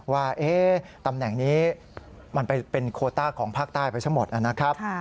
ว่าตำแหน่งนี้มันไปเป็นโคต้าของภาคใต้ไปซะหมดนะครับ